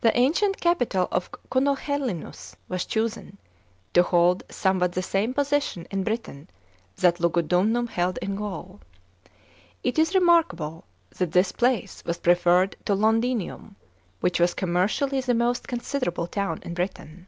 The ancient capital of Ounohellinus was chosen, to hold somewhat the same poddon in Britain that Lugudutmm held in Gaul. It is remarkable that this place was preferred to Londinium, which was commercially the most considerable town in Britain.